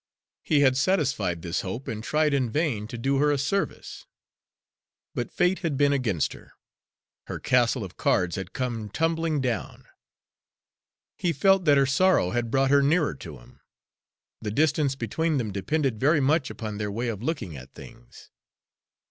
He had satisfied this hope, and had tried in vain to do her a service; but Fate had been against her; her castle of cards had come tumbling down. He felt that her sorrow had brought her nearer to him. The distance between them depended very much upon their way of looking at things.